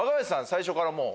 最初からもう。